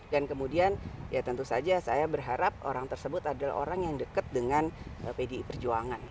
dan kemudian ya tentu saja saya berharap orang tersebut adalah orang yang deket dengan pdi perjuangan